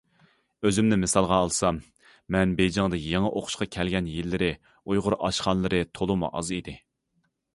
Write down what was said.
ئۆزۈمنى مىسالغا ئالسام، مەن بېيجىڭدا يېڭى ئوقۇشقا كەلگەن يىللىرى ئۇيغۇر ئاشخانىلىرى تولىمۇ ئاز ئىدى.